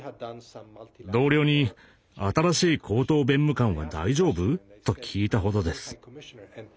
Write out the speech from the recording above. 同僚に「新しい高等弁務官は大丈夫？」と聞いたほどです。